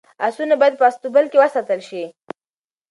اسونه باید په اصطبل کي وساتل شي.